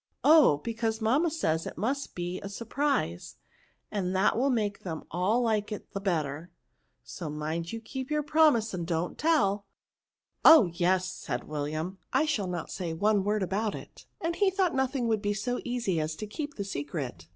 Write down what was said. ^' Oh ! because mamma says it must be a surprise, and that will make them all like it the better, so mind you keep your promise and don't tell" " Oh ! yes," said William ;" I shall not say one word about it," and he thought nothing would be so easy as to keep the secret."